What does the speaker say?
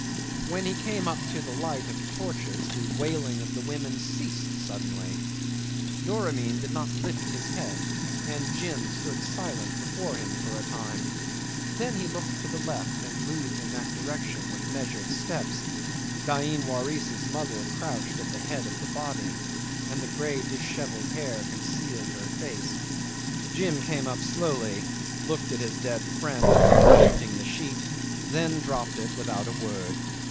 'When he came up into the light of torches the wailing of the women ceased suddenly. Doramin did not lift his head, and Jim stood silent before him for a time. Then he looked to the left, and moved in that direction with measured steps. Dain Waris's mother crouched at the head of the body, and the grey dishevelled hair concealed her face. Jim came up slowly, looked at his dead friend, lifting the sheet, than dropped it without a word.